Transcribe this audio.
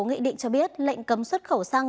nghị định cho biết lệnh cấm xuất khẩu xăng